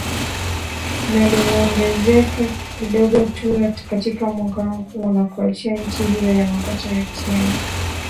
na limeongezeka kidogo tu katika mwaka huo na kuiacha nchi hiyo ya mapato ya chini